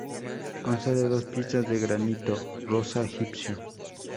Consta de dos piezas de granito rosa egipcio.